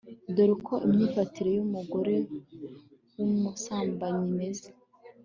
dore uko imyifatire y'umugore w'umusambanyi imeze